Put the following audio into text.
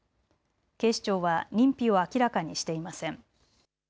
警視庁は認否を明らかにしていません。